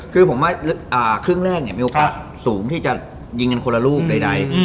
คือผมว่าครึ่งแรกเนี่ยมีโอกาสสูงที่จะยิงกันคนละลูกใด